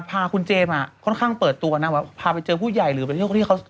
พาคุณเจมส์อ่ะค่อนข้างเปิดตัวนะแบบพาไปเจอผู้ใหญ่หรือไปเที่ยวคนที่เขา